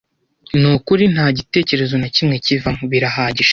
ni kuri. Nta gitekerezo na kimwe kivamo. Birahagije